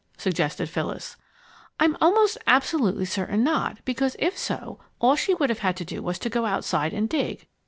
suggested Phyllis. "I'm almost absolutely certain not, because, if so, all she would have had to do was to go outside and dig.